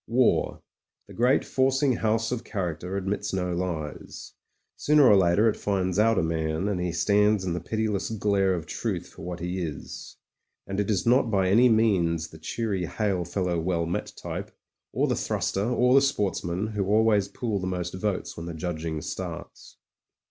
War, the great forcing house of character, admits no lies. Sooner or later it finds out a man, and he stands in the pitiless glare of truth for what he is. And it is not by any means the cheery hail fellow well met type, or the thruster, or the sportsman, who always pool the most votes when the judging starts.